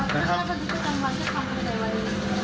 แต่ว่าถ้าบัตรกระจำวัน